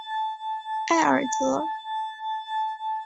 埃尔泽。